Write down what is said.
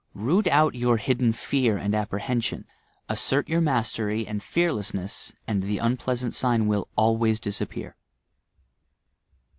Root out your hidden fear and apprehension; assert your mastery and fearlessness and the unpleasant sign will always disappear.